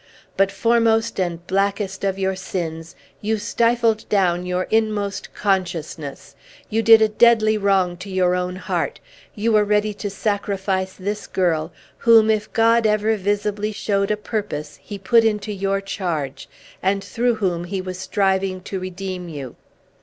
But, foremost and blackest of your sins, you stifled down your inmost consciousness! you did a deadly wrong to your own heart! you were ready to sacrifice this girl, whom, if God ever visibly showed a purpose, He put into your charge, and through whom He was striving to redeem you!"